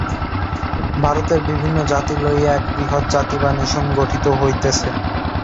ভারতের বিভিন্ন জাতি লইয়া এক বৃহৎ জাতি বা নেশন গঠিত হইতেছে।